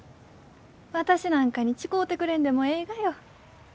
私なんかに誓うてくれんでもえいがよ。